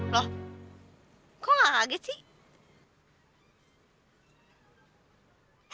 loh kok kaget sih